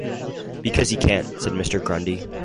‘Because he can’t,’ said Mr. Grundy.